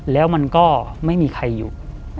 แล้วมันก็ไม่มีใครอยู่